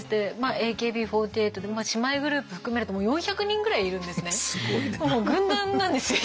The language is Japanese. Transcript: ＡＫＢ４８姉妹グループ含めると４００人ぐらいいるんですね。